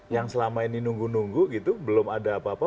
yang selama ini nunggu nunggu gitu belum ada apa apa